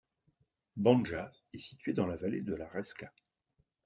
Banja est située dans la vallée de la Raška.